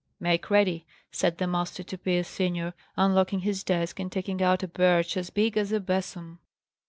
"Make ready," said the master to Pierce senior, unlocking his desk, and taking out a birch as big as a besom.